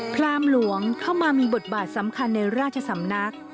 รามหลวงเข้ามามีบทบาทสำคัญในราชสำนัก